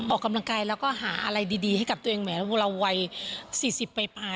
ออกกำลังกายแล้วก็หาอะไรดีให้กับตัวเองเหมือนพวกเราวัย๔๐ไป